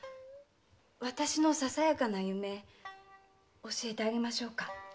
私のささやかな夢教えてあげましょうか。